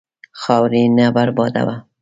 خاورې نه بربادوه.